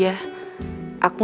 udah ke kamar dulu